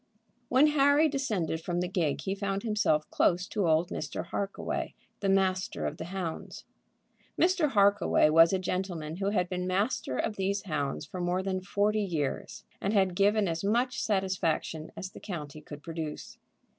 When Harry descended from the gig he found himself close to old Mr. Harkaway, the master of the hounds. Mr. Harkaway was a gentleman who had been master of these hounds for more than forty years, and had given as much satisfaction as the county could produce.